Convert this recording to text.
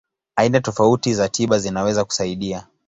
Aina tofauti za tiba zinaweza kusaidia.